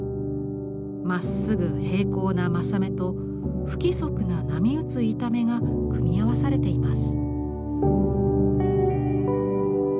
まっすぐ平行な柾目と不規則な波うつ板目が組み合わされています。